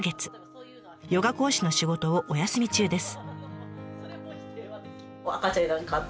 ヨガ講師の仕事をお休み中です。